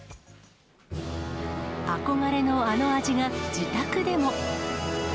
憧れのあの味が自宅でも。